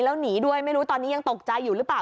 แล้วหนีด้วยไม่รู้ตอนนี้ยังตกใจอยู่หรือเปล่า